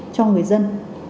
cho người dân